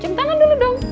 cuci tangan dulu dong